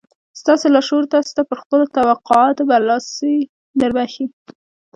ستاسې لاشعور تاسې ته پر خپلو توقعاتو برلاسي دربښي